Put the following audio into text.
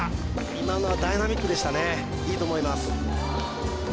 今のはダイナミックでしたねいいと思います